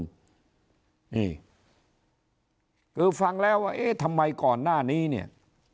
นี่คือฟังแล้วว่าเอ๊ะทำไมก่อนหน้านี้เนี่ย